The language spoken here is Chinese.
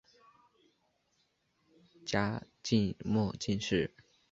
嘉靖末进士。